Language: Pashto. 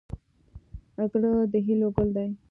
زړه د هیلو ګل دی.